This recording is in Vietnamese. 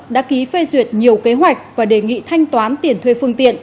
đã ký phê duyệt nhiều kế hoạch và đề nghị thanh toán tiền thuê phương tiện